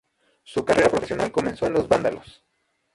Su carrera profesional comenzó en Los Vándalos.